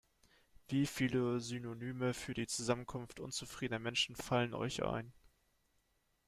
Wie viele Synonyme für die Zusammenkunft unzufriedener Menschen fallen euch ein?